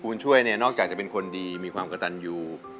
ช่วยเนี่ยนอกจากจะเป็นคนดีมีความกระตันอยู่